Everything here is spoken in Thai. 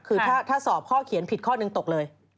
คือถ้าสอบข้อเขียนผิดข้อหนึ่งตกเลย